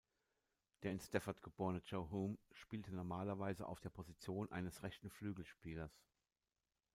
Der in Stafford geborene Joe Hulme spielte normalerweise auf der Position eines rechten Flügelspielers.